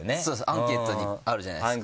アンケートにあるじゃないですか。